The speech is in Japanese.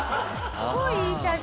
すごいいい写真。